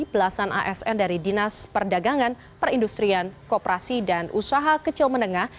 belasan asn dari dinas perdagangan perindustrian kooperasi dan usaha kecil menengah